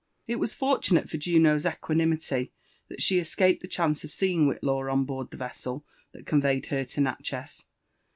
It was fortunate for Juno's equanimity that she escaped the chance of seeing Whitlaw on board the vessel that conveyed her to Natchez.